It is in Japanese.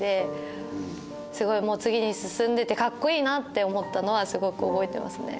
すごいもう次に進んでて格好いいなって思ったのはすごく覚えてますね。